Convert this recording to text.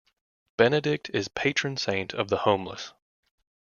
Benedict is patron saint of the homeless.